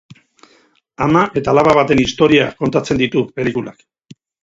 Ama eta alaba baten istorioa kontatzen ditu pelikulak.